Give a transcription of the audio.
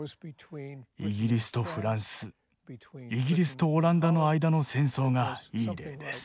イギリスとフランスイギリスとオランダの間の戦争がいい例です。